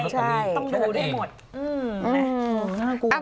ใช่ต้องดูได้หมด